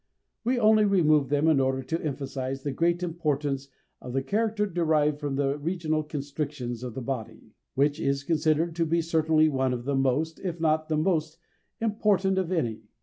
We only removed them in order to emphasize the great importance of the character derived from the regional constrictions of the body, which is considered to be certainly one of the most, if not the most, important of any.